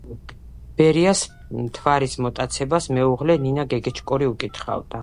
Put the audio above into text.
ბერიას „მთვარის მოტაცებას“ მეუღლე, ნინა გეგეჭკორი უკითხავდა.